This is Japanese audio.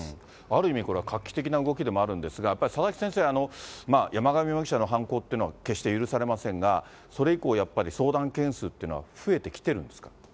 ある意味、これは画期的な動きでもあるんですが、やっぱり佐々木先生、山上容疑者の犯行というのは、決して許されませんが、それ以降、やっぱり相談件数というのは増えてきてるんですか。